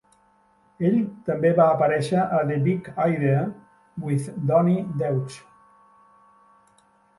Ell també va aparèixer a "The Big Idea with Donny Deutsch".